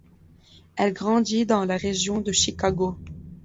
Elle grandit dans la région de Chicago.